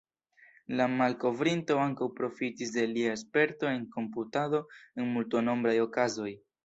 La malkovrinto ankaŭ profitis de lia sperto en komputado en multnombraj okazoj.